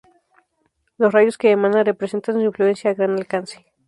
Los rayos que emana representan su influencia a gran alcance.